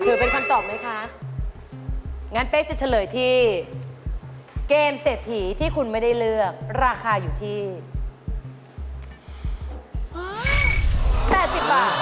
เป็นคำตอบไหมคะงั้นเป๊กจะเฉลยที่เกมเศรษฐีที่คุณไม่ได้เลือกราคาอยู่ที่๘๐บาท